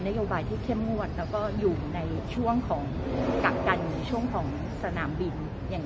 โยบายที่เข้มงวดแล้วก็อยู่ในช่วงของกักกันอยู่ช่วงของสนามบินอย่าง